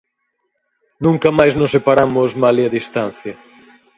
Nunca máis nos separamos malia a distancia.